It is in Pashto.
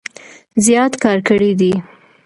زيات کار کړي دی